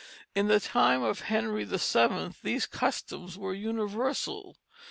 In the time of Henry VII. these customs were universal.